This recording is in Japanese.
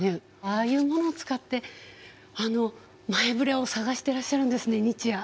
ああいうものを使って前ぶれを探してらっしゃるんですね日夜。